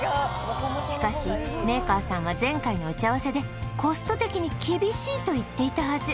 しかしメーカーさんは前回の打ち合わせでコスト的に厳しいと言っていたはず